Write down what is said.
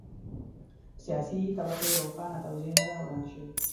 سیاسي طبقې روښانه توضیح نه ده وړاندې شوې.